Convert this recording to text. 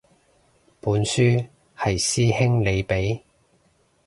本書係師兄你畀